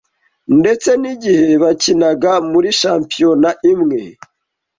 ndetse n'igihe bakinaga muri shampiyona imwe